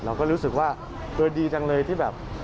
เราก็รู้สึกว่าเออดีจังเลยที่แบบ